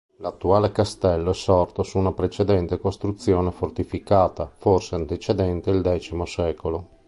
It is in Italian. L'attuale castello è sorto su una precedente costruzione fortificata, forse antecedente il X secolo.